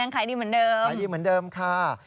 ขายดีเหมือนเดิมขายดีเหมือนเดิมค่ะ